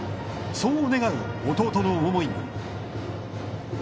そう願う弟の思いに。